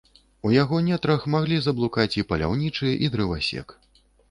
У яго нетрах маглі заблукаць і паляўнічы, і дрывасек.